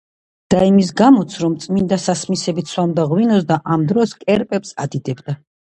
და იმის გამოც, რომ წმინდა სასმისებით სვამდა ღვინოს და ამ დროს კერპებს ადიდებდა.